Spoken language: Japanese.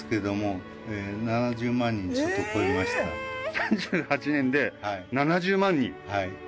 ３８年で７０万人？